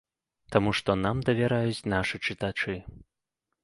Таму, што нам давяраюць нашы чытачы.